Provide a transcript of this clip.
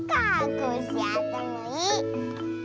コッシーあったまいい！